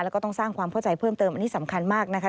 แล้วก็ต้องสร้างความเข้าใจเพิ่มเติมอันนี้สำคัญมากนะคะ